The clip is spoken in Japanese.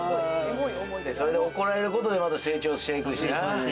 それで怒られることで、また成長していくしな。